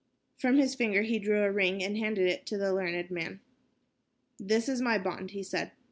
From his finger he drew a ring and handed it to the learned man. "This is my bond," he said.